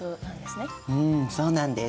うんそうなんです。